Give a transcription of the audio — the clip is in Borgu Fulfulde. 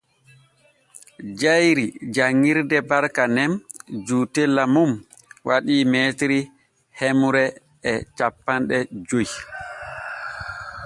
Jayri janŋirde Barka nen juutella mum waɗan m hemre e cappanɗe joy.